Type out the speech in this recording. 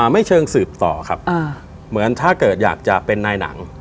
ไม่เชิงสืบต่อครับเหมือนถ้าเกิดอยากจะเป็นนายหนัง